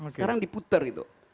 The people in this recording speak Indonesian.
sekarang diputer gitu